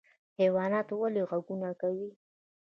حیوانات ولې غږونه کوي؟